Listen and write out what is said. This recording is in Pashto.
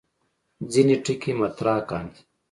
ځینې ټکي مطرح کاندي.